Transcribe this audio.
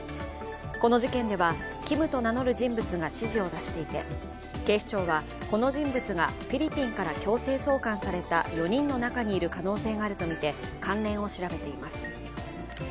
この事件ではＫｉｍと名乗る人物が指示を出していて警視庁は、この人物がフィリピンから強制送還された４人の中にいる可能性があるとみて、関連を調べています。